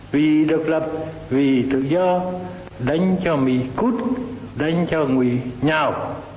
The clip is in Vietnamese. vì độc lập vì tự do đánh cho mì cút đánh cho mì nhỏ